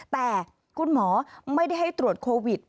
แต่คุณหมอไม่ได้ให้ตรวจโควิด